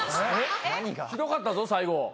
ひどかったぞ最後。